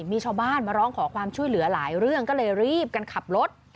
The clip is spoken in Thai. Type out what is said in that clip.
มีชาวบ้านมาร้องขอความช่วยเหลือหลายเรื่องก็เลยรีบกันขับรถ